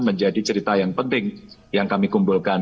menjadi cerita yang penting yang kami kumpulkan